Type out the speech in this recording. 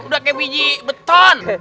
udah kaya biji beton